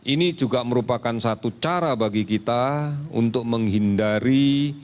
ini juga merupakan satu cara bagi kita untuk menghindari